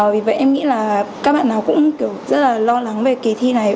vì vậy em nghĩ là các bạn nào cũng rất là lo lắng về kỳ thi này